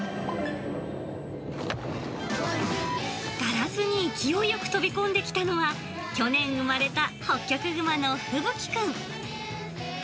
ガラスに勢いよく飛び込んできたのは、去年産まれたホッキョクグマのふぶきくん。